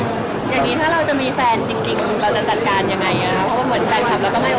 อย่างนี้ถ้าเราจะมีแฟนจริงเราจะจัดการยังไง